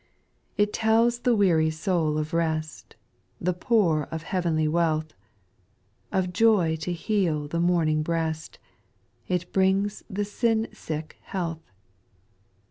2. It tells the weary soul of rest. The poor of heavenly wealth, Of joy to heal the mourning breast ; It brings the sin sick health.